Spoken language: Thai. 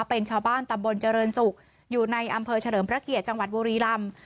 เป็นชาวบ้านตำบลเจริญศุกร์อยู่ในอำเภอเฉลิมพระเกียรติจังหวัดบุรีลำ